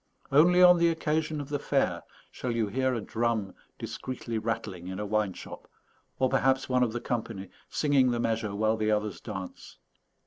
Only on the occasion of the fair shall you hear a drum discreetly rattling in a wine shop or perhaps one of the company singing the measure while the others dance.